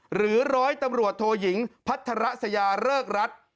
หรือร้อยตำรวจโทยิงพัฒระสยาเริกรัฐ